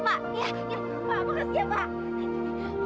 makasih ya pak